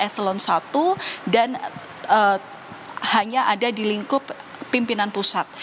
ini adalah eselon satu dan hanya ada di lingkup pimpinan pusat